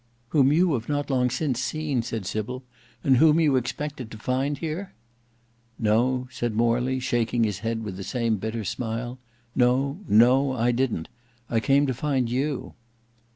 "Whom you have not long since seen," said Sybil, "and whom you expected to find here?" "No;" said Morley, shaking his head with the same bitter smile; "no, no. I didn't. I came to find you."